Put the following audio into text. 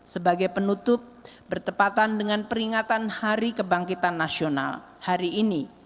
sebagai penutup bertepatan dengan peringatan hari kebangkitan nasional hari ini